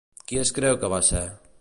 Qui es creu que va ser?